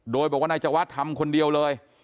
โดยบอกว่านายจวัดทำคนเดียวเลย